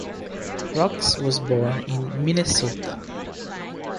Roux was born in Minnesota.